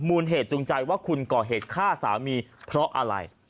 เหตุจูงใจว่าคุณก่อเหตุฆ่าสามีเพราะอะไร